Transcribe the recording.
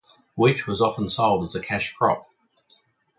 Wheat was often sold as a cash crop.